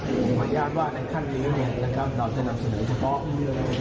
มีความเห็นเมียว